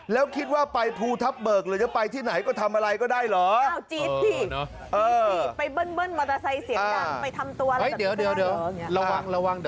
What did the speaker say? แล้วคิดว่าไปภูทับเบิกหรือจะไปที่ไหนก็ทำอะไรก็ได้เหรอ